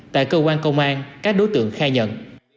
tại cơ quan công an các đối tượng khai nhận